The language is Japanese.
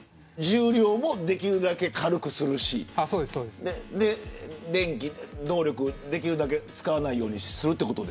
重量もできるだけ軽くするし動力をできるだけ使わないようにするということ。